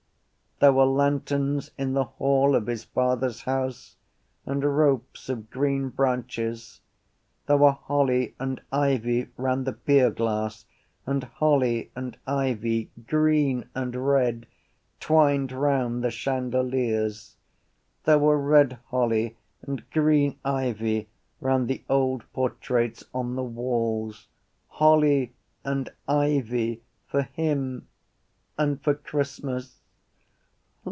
There were lanterns in the hall of his father’s house and ropes of green branches. There were holly and ivy round the pierglass and holly and ivy, green and red, twined round the chandeliers. There were red holly and green ivy round the old portraits on the walls. Holly and ivy for him and for Christmas.